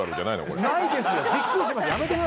びっくりしました。